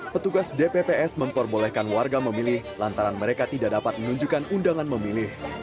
petugas dpps memperbolehkan warga memilih lantaran mereka tidak dapat menunjukkan undangan memilih